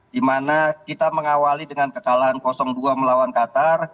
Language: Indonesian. di mana kita mengawali dengan kekalahan dua melawan qatar